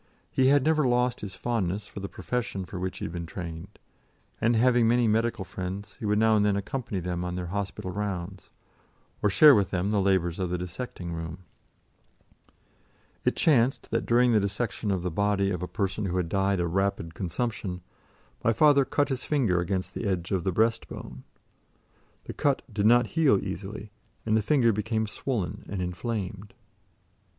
He had never lost his fondness for the profession for which he had been trained, and having many medical friends, he would now and then accompany them on their hospital rounds, or share with them the labours of the dissecting room. It chanced that during the dissection of the body of a person who had died of rapid consumption, my father cut his finger against the edge of the breast bone. The cut did not heal easily, and the finger became swollen and inflamed.